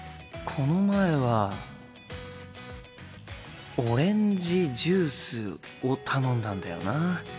この前はオレンジジュースを頼んだんだよな。